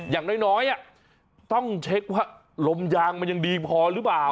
อย่างน้อยต้องเช็คว่าลมยางมันยังดีพอหรือเปล่า